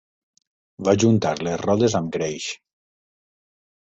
Vaig untar les rodes amb greix.